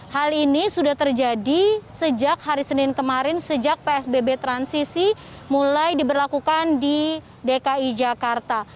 hal ini sudah terjadi sejak hari senin kemarin sejak psbb transisi mulai diberlakukan di dki jakarta